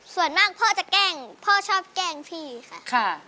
ส่วนมากพ่อจะแกล้งพ่อชอบแกล้งพี่ค่ะ